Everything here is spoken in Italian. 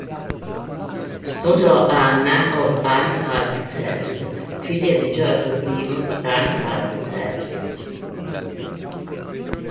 Sposò Anna of Anhalt-Zerbst, figlia di Giorgio I di Anhalt-Zerbst.